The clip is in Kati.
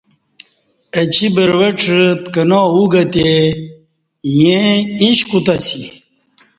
اچی بروڄہ پکنا اُوگہ تی ییں ایݩش کوتہ اسی۔